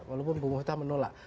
walaupun bung huta menolak